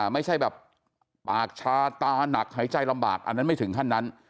ไม่ใช่แบบปากชาตานักหายใจลำบากอันนั้นไม่ถึงขั้นนั้น